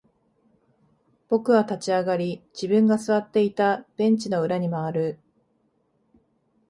僕は立ち上がり、自分が座っていたベンチの裏に回る。